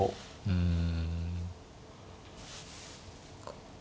うん。